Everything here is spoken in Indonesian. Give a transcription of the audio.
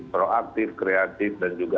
proaktif kreatif dan juga